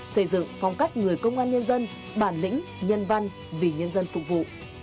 xây dựng phong cách người công an nhân dân bản lĩnh nhân văn vì nhân dân phục vụ